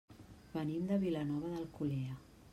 Venim de Vilanova d'Alcolea.